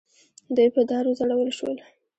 دوی په دار وځړول شول.